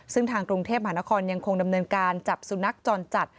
ซึ่งทางกรุงเทพมหานครยังคงดำเนินการจับสุนัขจรจัด